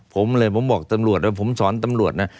ผมเลยผมบอกตำรวจนะ